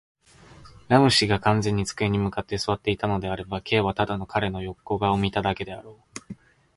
ラム氏が完全に机に向って坐っていたのであれば、Ｋ はただ彼の横顔を見ただけであろう。